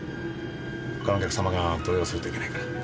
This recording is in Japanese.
ほかのお客さまが動揺するといけないから。